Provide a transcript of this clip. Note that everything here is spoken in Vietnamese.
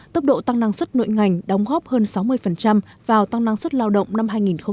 tốc độ tăng năng suất nội ngành đóng góp hơn sáu mươi vào tăng năng suất lao động năm hai nghìn hai mươi